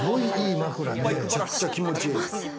めちゃくちゃ気持ち良いです。